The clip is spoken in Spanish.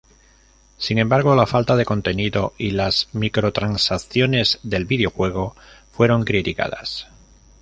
Sin embargo, la falta de contenido y las microtransacciones del videojuego fueron criticadas.